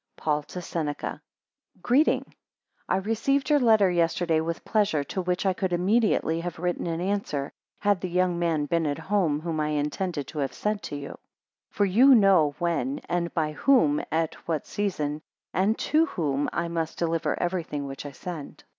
PAUL to SENECA Greeting. I RECEIVED your letter yesterday with pleasure, to which I could immediately have written an answer, had the young man been at home, whom I intended to have sent to you: 2 For you know when, and by whom, at what seasons, and to whom I must deliver everything which I send.